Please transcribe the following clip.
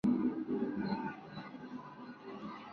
El lugar de esta segunda batalla es desconocido.